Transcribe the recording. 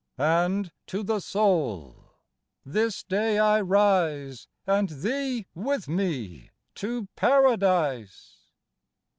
And to the Soul : This day I rise And thee with Me to Paradise.